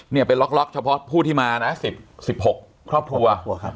เนี่ยเป็นล็อกเฉพาะผู้ที่มานะ๑๖ครอบครัว